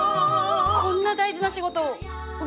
こんな大事な仕事を私が？